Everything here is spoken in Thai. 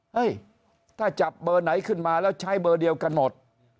เฮ้ยถ้าจับเบอร์ไหนขึ้นมาแล้วใช้เบอร์เดียวกันหมด